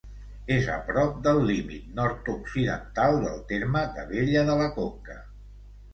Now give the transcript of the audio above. És a prop del límit nord-occidental del terme d'Abella de la Conca.